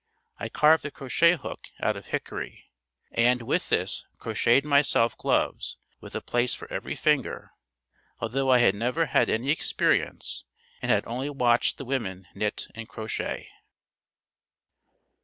I carved a crochet hook out of hickory and with this crocheted myself gloves with a place for every finger, although I had never had any experience and had only watched the women knit and crochet.